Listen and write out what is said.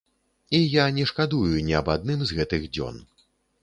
І я не шкадую ні аб адным з гэтых дзён.